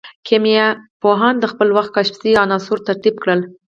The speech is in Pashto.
کيميا پوهانو د خپل وخت کشف سوي عنصرونه ترتيب کړل.